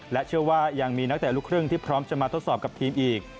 เชื่อว่ายังมีนักเตะลูกครึ่งที่พร้อมจะมาทดสอบกับทีมอีก